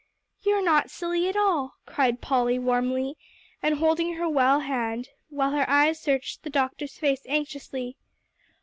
"You're not silly at all," cried Polly warmly, and holding her well hand, while her eyes searched the doctor's face anxiously.